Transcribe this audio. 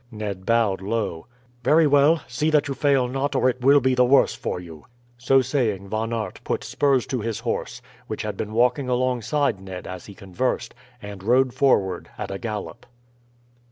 Ned bowed low. "Very well, see that you fail not, or it will be the worse for you." So saying Von Aert put spurs to his horse, which had been walking alongside Ned as he conversed, and rode forward at a gallop.